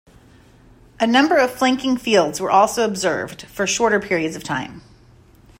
A number of flanking fields were also observed for shorter periods of time.